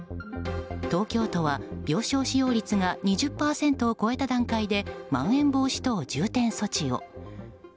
東京都は病床使用率が２０％を超えた段階でまん延防止等重点措置を。